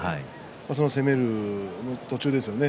その攻める途中ですよね